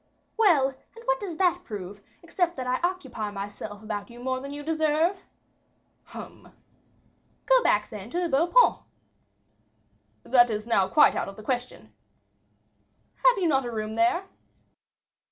"Well; and what does that prove, except that I occupy myself about you more than you deserve?" "Hum!" "Go back, then, to the Beau Paon." "That is now quite out of the question." "Have you not a room there?"